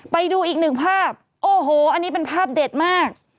ไปดูอีกหนึ่งภาพโอ้โหอันนี้เป็นภาพเด็ดมาก